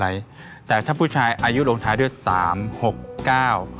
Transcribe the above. ไม่ได้มีอะไรแต่ถ้าผู้ชายอายุลงท้ายด้วยสามหกเก้า